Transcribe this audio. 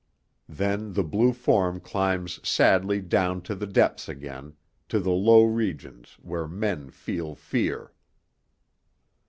Then the Blue Form climbs sadly down to the depths again, to the low regions where men feel fear....